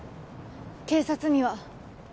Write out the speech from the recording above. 警察には？